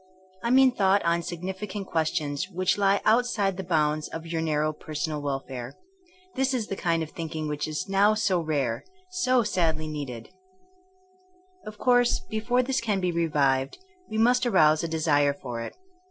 I mean thought on significant questions which Ue outside the bounds of your narrow personal welfare. This is the kind of thinking which is now so rare — so sadly needed 1 Of course before this can be revived we must arouse a desire for it.